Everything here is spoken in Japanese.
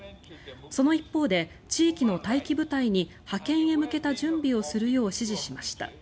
その一方で、地域の待機部隊に派遣へ向けた準備をするよう指示しました。